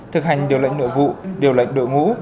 thực hành điều lệnh nội vụ điều lệnh đội ngũ